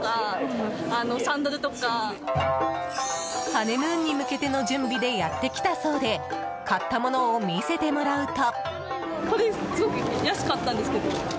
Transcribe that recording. ハネムーンに向けての準備でやってきたそうで買ったものを見せてもらうと。